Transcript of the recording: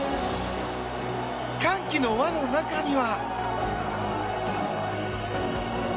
歓喜の輪の中には。